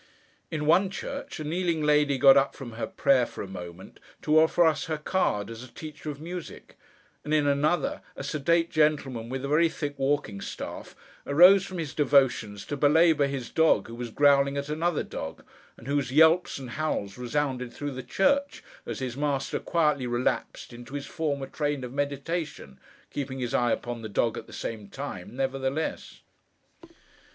In one church, a kneeling lady got up from her prayer, for a moment, to offer us her card, as a teacher of Music; and in another, a sedate gentleman with a very thick walking staff, arose from his devotions to belabour his dog, who was growling at another dog: and whose yelps and howls resounded through the church, as his master quietly relapsed into his former train of meditation—keeping his eye upon the dog, at the same time, nevertheless.